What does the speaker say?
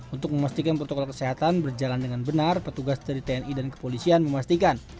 untuk memastikan protokol kesehatan berjalan dengan benar petugas dari tni dan kepolisian memastikan